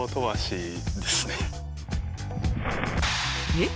えっ？